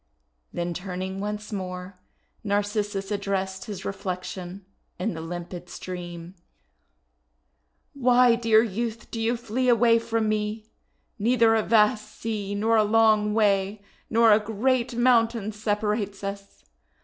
* Then turning once more, Narcissus addressed his reflection in the limpid stream :— "Why, dear youth, do you flee away from me? Neither a vast sea, nor a long way, nor a great mountain separates us!